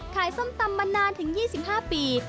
ส้มตำมานานถึง๒๕ปี